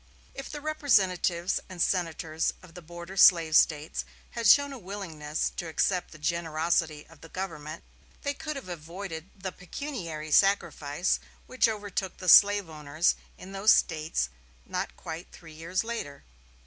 If the representatives and senators of the border slave States had shown a willingness to accept the generosity of the government, they could have avoided the pecuniary sacrifice which overtook the slave owners in those States not quite three years later.